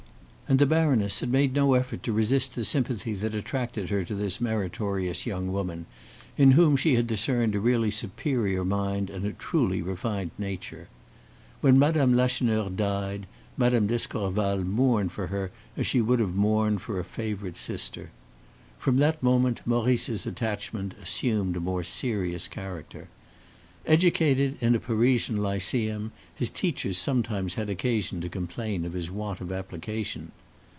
And the baroness had made no effort to resist the sympathy that attracted her to this meritorious young woman, in whom she had discerned a really superior mind and a truly refined nature. When Mme. Lacheneur died, Mme. d'Escorval mourned for her as she would have mourned for a favorite sister. From that moment Maurice's attachment assumed a more serious character. Educated in a Parisian lyceum, his teachers sometimes had occasion to complain of his want of application.